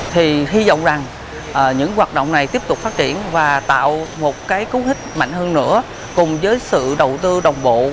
thì hy vọng rằng những hoạt động này tiếp tục phát triển và tạo một cái cú hích mạnh hơn nữa cùng với sự đầu tư đồng bộ